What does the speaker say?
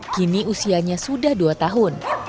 kini usianya sudah dua tahun